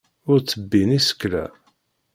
Ur ttebbin isekla.